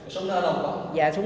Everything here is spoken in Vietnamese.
súng đó đồng không